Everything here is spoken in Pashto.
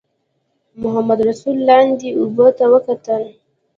محمدرسول لاندې اوبو ته وکتل.